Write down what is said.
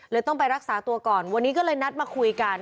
ต้องไปรักษาตัวก่อนวันนี้ก็เลยนัดมาคุยกัน